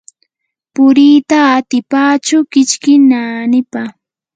puriita atipachu kichki naanipa.